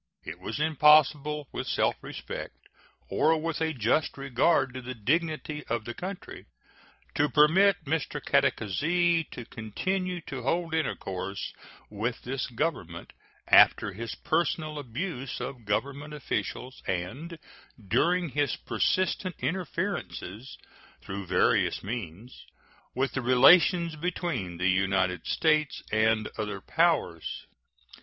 It was impossible, with self respect or with a just regard to the dignity of the country, to permit Mr. Catacazy to continue to hold intercourse with this Government after his personal abuse of Government officials, and during his persistent interferences, through various means, with the relations between the United States and other powers.